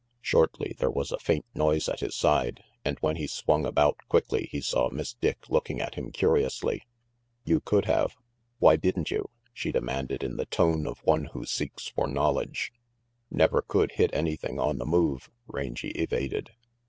Shortly there was a faint noise at his side, and when he swung about quickly he saw Miss Dick looking at him curiously. "You could have. Why didn't you?" she demanded, in the tone of one who seeks for knowledge. "Never could hit anything on the move," Rangy evaded.